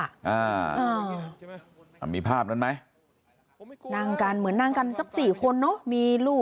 อ่ามีภาพนั้นไหมนั่งกันเหมือนนั่งกันสักสี่คนเนอะมีลูก